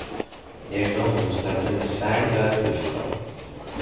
اقدام مستلزم سعی و پشتکار